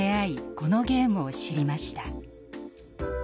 このゲームを知りました。